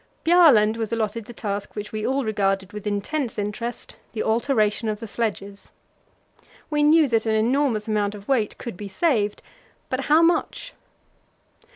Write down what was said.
Bjaaland was allotted the task which we all regarded with intense interest the alteration of the sledges. We knew that an enormous amount of weight could be saved, but how much?